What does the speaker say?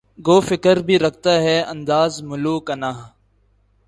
گو فقر بھی رکھتا ہے انداز ملوکانہ